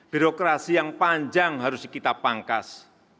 birokrasi yang panjang harus kita pangkas